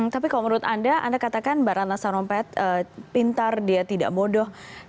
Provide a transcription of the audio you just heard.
tapi kalau menurut anda anda katakan mbak ratna sarumpait pintar dia tidak bodoh